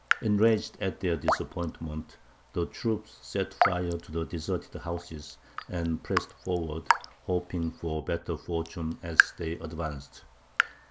"Enraged at their disappointment, the troops set fire to the deserted houses, and pressed forward, hoping for better fortune as they advanced.